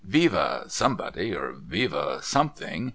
Vive Somebody ! or Vive Something